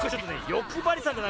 よくばりさんだな。